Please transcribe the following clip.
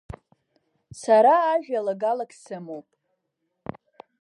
Сара ажәалагалак сымоуп.